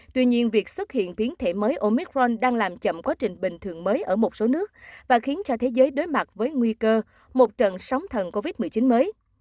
tuy nhiên việc xuất hiện biến thể mới omicron đang làm chậm quá trình bình thường mới ở một số nước và khiến cho thế giới đối mặt với nguy cơ một trận sóng thần covid một mươi chín mới